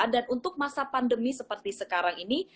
dan untuk masa pandemi seperti sekarang ini